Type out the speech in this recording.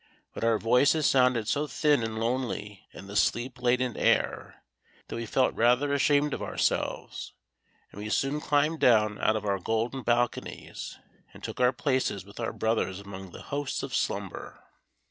But our voices sounded so thin and lonely in the sleep laden air that we felt rather ashamed of ourselves, and we soon climbed down out of our golden balconies and took our places with our brothers among the hosts of slumber.